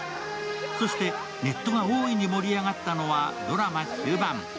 そしてネットが大いに盛り上がったのはドラマ終盤。